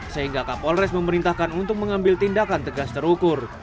sehingga kapol restapalu memerintahkan untuk mengambil tindakan tegas terukur